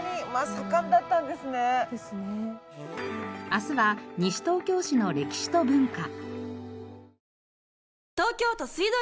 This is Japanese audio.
明日は西東京市の歴史と文化。